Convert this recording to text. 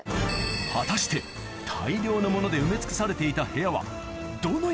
果たして大量の物で埋め尽くされていた部屋はどうぞ！